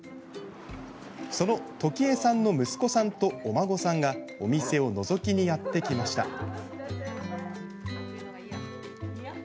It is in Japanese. そのトキエさんの息子さんとお孫さんがお店をのぞきにやって来ました。